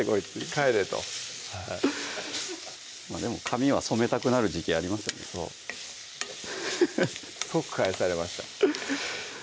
「帰れ」とでも髪は染めたくなる時期ありますよねそう即帰されました